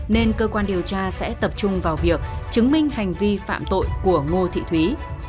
nên cơ quan điều tra sẽ tập trung vào việc chứng minh hành vi phạm tội của ngô thị thúy